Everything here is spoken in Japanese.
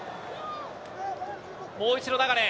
もう一度、流。